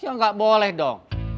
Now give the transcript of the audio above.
ya gak boleh dong